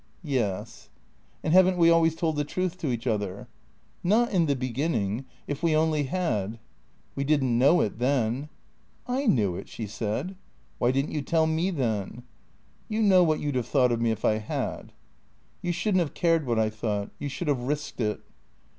" Yes." " And have n't we always told the truth to each other ?"" Not in the beginning. If we only had "" We did n't know it then." "7 knew it," she said. "Why didn't you tell me, then?" " You know what you 'd have thought of me if I had." "You shouldn't have cared what I thought. You should have risked it."